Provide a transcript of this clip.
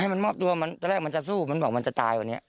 มันมอบตัวมันตอนแรกมันจะสู้มันบอกมันจะตายวันนี้